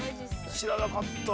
◆知らなかった。